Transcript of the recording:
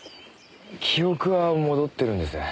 記憶は戻ってるんです。